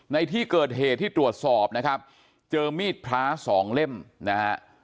ในที่เกิดเหตุที่ตรวจสอบนะครับเจอมีดพระสองเล่มนะฮะ